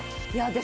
私